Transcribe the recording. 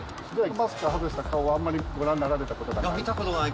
マスクを外した顔はあんまりご覧になられたことがない？